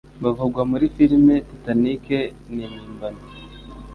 bavugwa muri filime Titanic ni impimbano